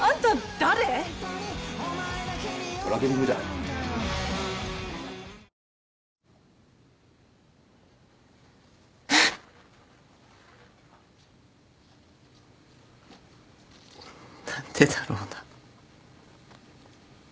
誕生何でだろうな。